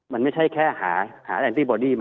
มันไม่ใช่แค่หาแอมติบอดี้